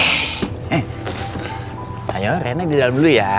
eh ayo rena di dalam dulu ya